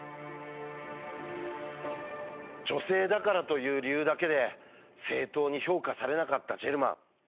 「女性だから」という理由だけで正当に評価されなかったジェルマン。